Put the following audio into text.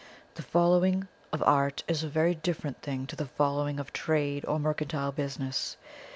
The following of art is a very different thing to the following of trade or mercantile business.